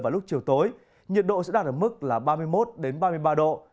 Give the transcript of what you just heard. vào lúc chiều tối nhiệt độ sẽ đạt được mức ba mươi một đến ba mươi ba độ